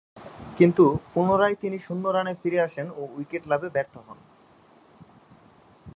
কিন্তু পুনরায় তিনি শূন্য রানে ফিরে আসেন ও উইকেট লাভে ব্যর্থ হন।